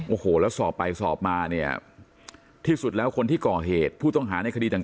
โอ้โหแล้วสอบไปสอบมาเนี่ยที่สุดแล้วคนที่ก่อเหตุผู้ต้องหาในคดีต่าง